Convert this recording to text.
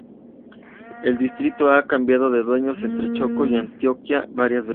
El distrito ha cambiado de dueños entre Chocó y Antioquia varias veces.